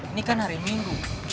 ini kan hari minggu